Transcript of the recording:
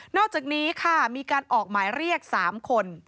อกจากนี้ค่ะมีการออกหมายเรียก๓คน